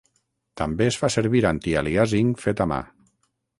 També es fa servir antialiàsing fet a mà.